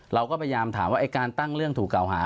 เราก็พยายามถามว่าไอ้การตั้งเรื่องถูกเก่าหา